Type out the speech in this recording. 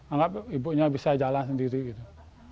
anggap ibunya bisa jalan sendiri gitu